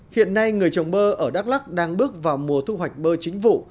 hiện nay người trồng bơ ở đắk lắc đang bước vào mùa thu hoạch bơ chính vụ